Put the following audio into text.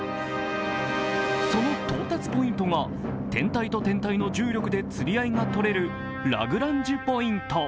その到達ポイントが天体と天体の重力で釣り合いが取れるラグランジュポイント。